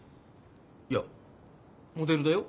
いやモデルだよ。